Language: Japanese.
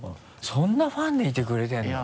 そんなファンでいてくれてるの？